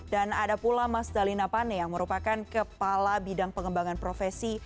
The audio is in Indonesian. dan ada pula mas dalina pane yang merupakan kepala bidang pengembangan profesi